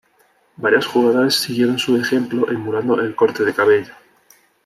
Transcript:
Varios jugadores siguieron su ejemplo emulando el corte de cabello.